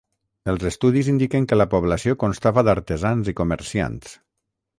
Els estudis indiquen que la població constava d'artesans i comerciants.